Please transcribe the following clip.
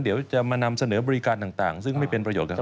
เดี๋ยวจะมานำเสนอบริการต่างซึ่งไม่เป็นประโยชนเลยครับ